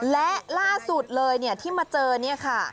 และล่าสุดเลยที่มาเจอนี่ค่ะ